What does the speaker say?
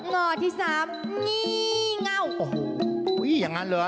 งอที่สามและเงา